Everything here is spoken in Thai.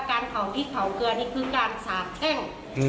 การเผาพริกเผาเกลือนี่คือการสาบแช่ง